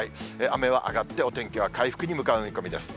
雨は上がって、お天気は回復に向かう見込みです。